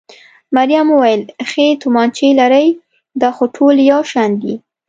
مريم وویل: ښې تومانچې لرئ؟ دا خو ټولې یو شان دي.